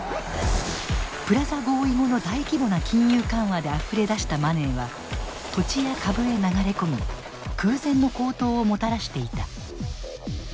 プラザ合意後の大規模な金融緩和であふれ出したマネーは土地や株へ流れ込み空前の高騰をもたらしていた。